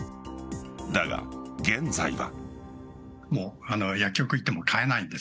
だが、現在は。